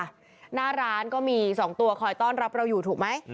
หน้าร้านก็มี๒ตัวคอยต้อนรับเราอยู่ถูกไหม